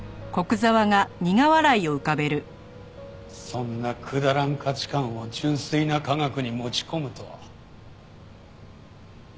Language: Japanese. そんなくだらん価値観を純粋な科学に持ち込むとは。